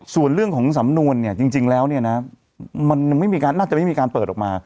ส่วนเรื่องของสำนวนเนี่ยจริงแล้วเนี่ยนะมันน่าจะไม่มีการเปิดออกมา